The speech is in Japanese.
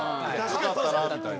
「よかったら」みたいな。